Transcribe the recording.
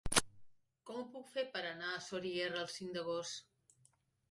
Com ho puc fer per anar a Soriguera el cinc d'agost?